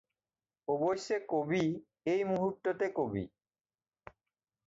অৱশ্যে ক'বি, এই মুহূৰ্ত্ততে ক'বি।